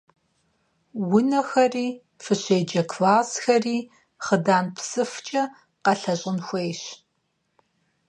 Унэрхэри, фыщеджэ классхэр хъыдан псыфкӀэ къэлъэщӀын хуейщ.